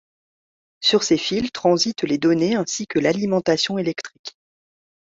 Sur ces fils transitent les données ainsi que l'alimentation électrique.